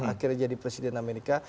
akhirnya jadi presiden amerika